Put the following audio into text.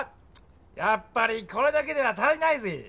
やっぱりこれだけでは足りないぜぇ！